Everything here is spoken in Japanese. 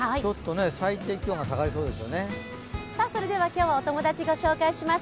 今日のお友達ご紹介します。